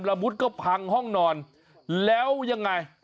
มุดก็พังห้องนอนแล้วยังไง